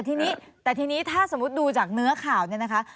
ทีนี้แต่ทีนี้ถ้าสมมุติดูจากเนื้อข่าวเนี่ยนะคะ